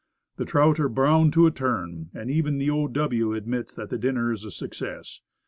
The trout are browned to a turn, and even the O. W. admits that the dinner is a success.